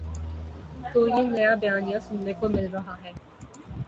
تو یہ نیا بیانیہ سننے کو مل رہا ہے۔